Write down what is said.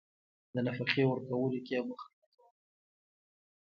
د نفقې ورکولو کې بخل مه کوه.